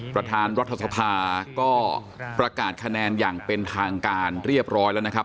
ประธานรัฐสภาก็ประกาศคะแนนอย่างเป็นทางการเรียบร้อยแล้วนะครับ